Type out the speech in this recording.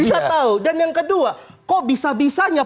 bisa tahu dan yang kedua kok bisa bisanya